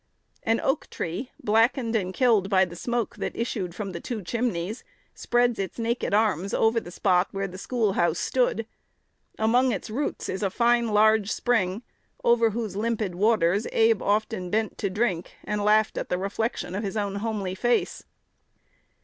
An oak tree, blackened and killed by the smoke that issued from the two chimneys, spreads its naked arms over the spot where the schoolhouse stood. Among its roots is a fine, large spring, over whose limpid waters Abe often bent to drink, and laughed at the reflection of his own homely face.